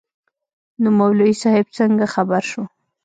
نو مولوي صاحب څنگه خبر سو.